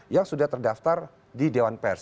yang sudah terdaftar di dewan pers